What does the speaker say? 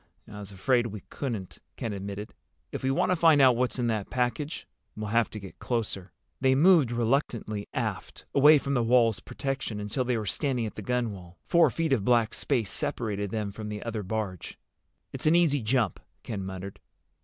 "I was afraid we couldn't," Ken admitted. "If we want to find out what's in that package, we'll have to get closer." They moved reluctantly aft, away from the wall's protection, until they were standing at the gunwale. Four feet of black space separated them from the other barge. "It's an easy jump," Ken muttered.